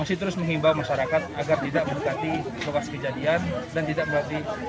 masih terus menghimbau masyarakat agar tidak mendekati lokasi kejadian dan tidak berarti